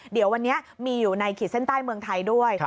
เดี๋ยววันนี้มีอยู่ในขีดเส้นใต้เมืองไทยด้วย